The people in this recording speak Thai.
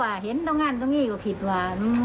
แม่มันแก่แล้วไม่ค่อยได้ลูกเลย